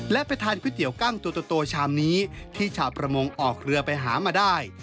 และไปทานก๋วยเตี๋ยวกั้งตัวโตชามนี้ที่ชาวประมงออกเรือไปหามาได้